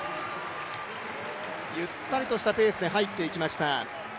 ゆったりとしたペースで入っていきました。